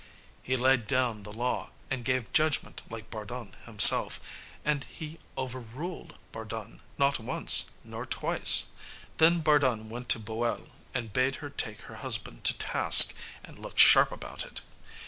He laid down the law, and gave judgment like Bardun himself; and he over ruled Bardun, not once nor twice. Then Bardun went to Boel, and bade her take her husband to task, and look sharp about it.